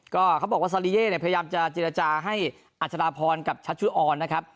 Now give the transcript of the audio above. ก็เขาบอกว่าซาลีเย่เนี่ยพยายามจะเจรจาให้อัชราพรกับชัชชุออนนะครับ